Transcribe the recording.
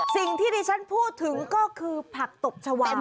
สิ่งที่ดิฉันพูดถึงก็คือผักตบชาวาน